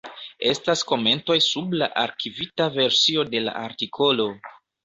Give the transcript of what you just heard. Estas komentoj sub la arkivita versio de la artikolo.